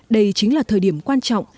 đây chính là thời điểm quan trọng